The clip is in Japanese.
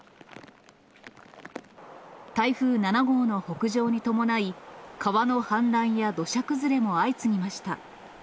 台風７号の北上に伴い、川の氾濫や土砂崩れも相次ぎました。